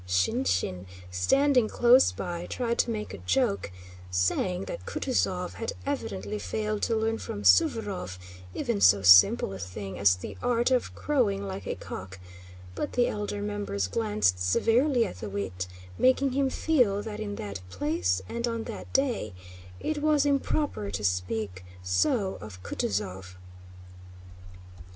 Shinshín, standing close by, tried to make a joke, saying that Kutúzov had evidently failed to learn from Suvórov even so simple a thing as the art of crowing like a cock, but the elder members glanced severely at the wit, making him feel that in that place and on that day, it was improper to speak so of Kutúzov.